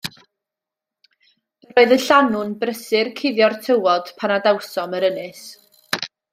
Yr oedd y llanw'n prysur guddio'r tywod pan adawsom yr ynys.